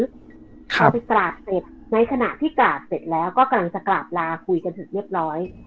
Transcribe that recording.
พอไปกราบเสร็จในขณะที่กราบเสร็จแล้วก็กำลังจะกราบลาคุยกันถึงเรียบร้อย